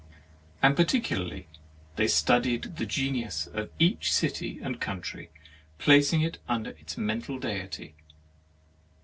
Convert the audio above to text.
And particularly they studied the Genius of each city and country, placing it under its mental deity.